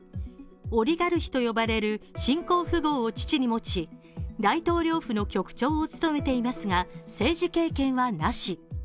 オリガルヒと呼ばれる新興富豪を父に持ち大統領府の局長を務めていますが政治経験はなし。